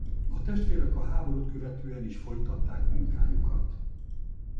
A testvérek a háborút követően is folytatták munkájukat.